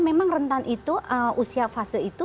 memang rentan itu usia fase itu